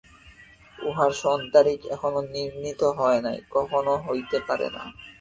উহার সন-তারিখ এখনও নির্ণীত হয় নাই, কখনও হইতে পারে না।